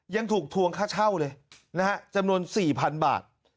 ยังถูกทวงค่าเช่าเลยนะฮะจำนวน๔๐๐๐บาท